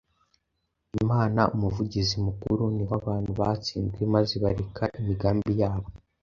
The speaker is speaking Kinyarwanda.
Imana Umuvugizi mukuru; ni ho abantu batsinzwe maze bareka imigambi yabo.